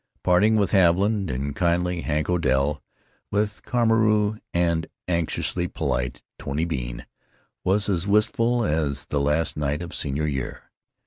Parting with Haviland and kindly Hank Odell, with Carmeau and anxiously polite Tony Bean, was as wistful as the last night of senior year.